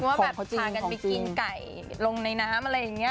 ว่าแบบพากันไปกินไก่ลงในน้ำอะไรอย่างนี้